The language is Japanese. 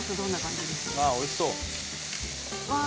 ああ、おいしそう。